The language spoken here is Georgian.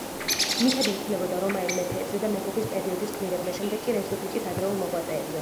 მითები იქმნებოდა რომაელ მეფეებზე და მეფობის პერიოდის გმირებზე, შემდეგ კი რესპუბლიკის ადრეულ მოღვაწეებზე.